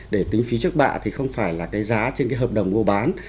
để tính phí trước bạ thì không phải là cái giá trên cái hợp đồng mua bán